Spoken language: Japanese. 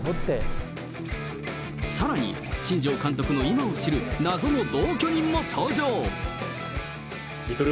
さらに、新庄監督の今を知る謎の同居人も登場。